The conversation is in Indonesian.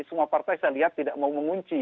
semua partai saya lihat tidak mau mengunci